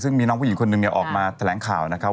ซึ่งมีน้องผู้หญิงคนนึงออกมาแสดงข่าวนะครับ